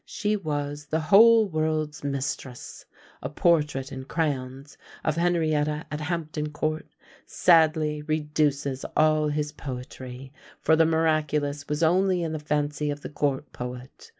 She was "the whole world's mistress." A portrait in crayons of Henrietta at Hampton court sadly reduces all his poetry, for the miraculous was only in the fancy of the court poet.